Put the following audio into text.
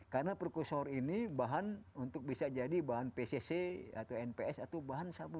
karena perusahaan ini bahan untuk bisa jadi bahan pcc atau nps atau bahan sabu